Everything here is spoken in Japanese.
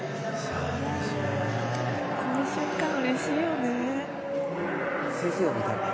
この瞬間うれしいよね。